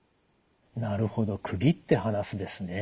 なるほど区切って話すですね。